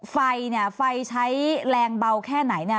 ไฟใช้แรงเบาแค่ไหน